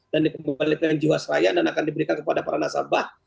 dan dikembalikan jiwa seraya dan akan diberikan kepada para nasabah